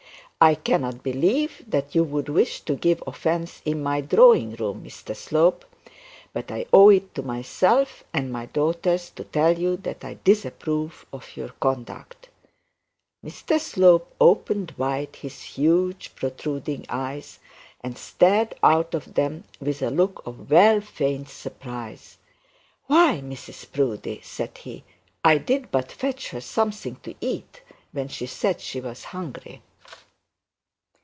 I cannot believe that you would wish to give offence in my drawing room, Mr Slope; but I owe it to myself and my daughters to tell you that I disapprove your conduct.' Mr Slope opened wide his huge protruding eyes, and stared out of them with a look of well dignified surprise. 'Why, Mrs Proudie,' said he, 'I did but fetch her something to eat when she was hungry.'